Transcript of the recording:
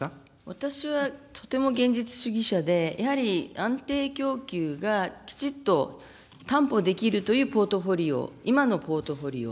私はとても現実主義者で、やはり安定供給がきちっと担保できるというポートフォリオ、今のポートフォリオ。